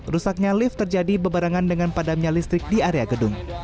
rusaknya lift terjadi bebarangan dengan padamnya listrik di area gedung